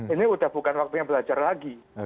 ini udah bukan waktunya belajar lagi